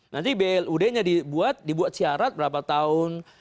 nanti blud nya dibuat dibuat syarat berapa tahun